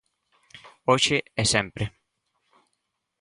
Hoxe e sempre.